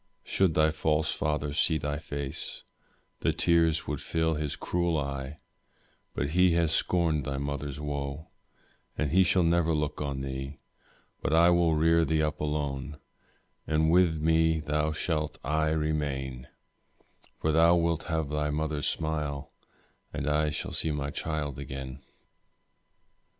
Should thy false father see thy face, The tears would fill his cruel e'e, But he has scorned thy mother's wo, And he shall never look on thee: But I will rear thee up alone, And with me thou shalt aye remain; For thou wilt have thy mother's smile, And I shall see my child again.